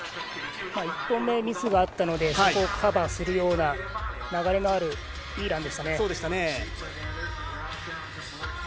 １本目にミスがあったのでそこをカバーするような流れのある、いいランでしたね。